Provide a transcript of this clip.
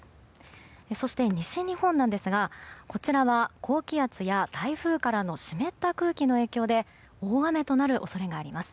そして、西日本なんですがこちらは高気圧や台風からの湿った空気の影響で大雨となる恐れがあります。